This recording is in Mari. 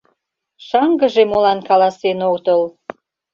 — Шаҥгыже молан каласен отыл?